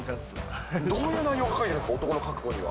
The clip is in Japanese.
どういう内容が書かれてるんですか、男の覚悟には。